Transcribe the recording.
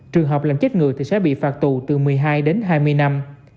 trường hợp làm chết người thì sẽ bị phạt tù từ một mươi hai đến hai mươi năm